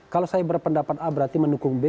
kalau saya berpendapat a berarti mendukung b